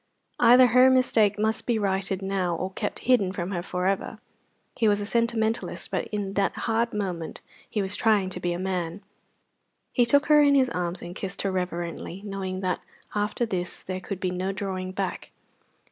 Either her mistake must be righted now or kept hidden from her for ever. He was a sentimentalist, but in that hard moment he was trying to be a man. He took her in his arms and kissed her reverently, knowing that after this there could be no drawing back.